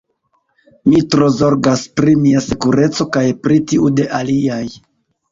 Mi tro zorgas pri mia sekureco kaj pri tiu de aliaj.